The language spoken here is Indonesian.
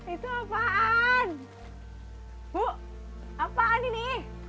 itu apaan bu apaan ini